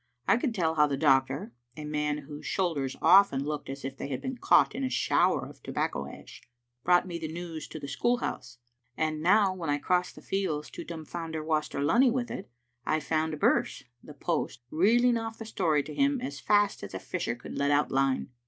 I could tell how the doctor, a man whose shoulders often looked as if they had been caught in a shower of tobacco ash, brought me the news to the school house, and now, when I crossed the fields to dumfounder Waster Lunny with it, I found Birse, the post, reeling off the story to him as fast as a fisher could let out line.